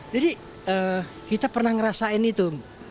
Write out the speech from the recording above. jadi kita pernah ngerasain itu